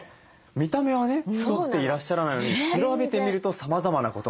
見た目はね太っていらっしゃらないのに調べてみるとさまざまなことが分かると。